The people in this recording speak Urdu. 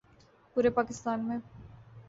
پورے پاکستان میں